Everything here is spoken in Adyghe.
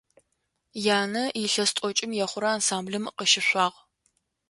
Янэ илъэс тӏокӏым ехъурэ ансамблым къыщышъуагъ.